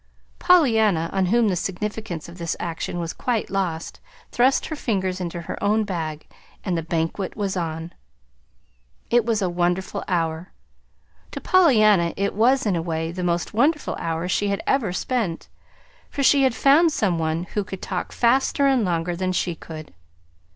Pollyanna, on whom the significance of this action was quite lost, thrust her fingers into her own bag, and the banquet was on. It was a wonderful hour. To Pollyanna it was, in a way, the most wonderful hour she had ever spent, for she had found some one who could talk faster and longer than she could.